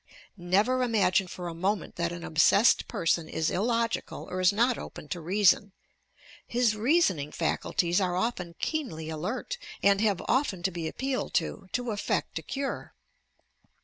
Never imagine for a moment that an obsessed person is illogical or is not open to reason. His reasoning faculties are often keenly alert, and have often to be appealed to, to effect a cure.